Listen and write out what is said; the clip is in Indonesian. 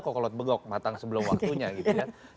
kokolot begok matang sebelum waktunya gitu ya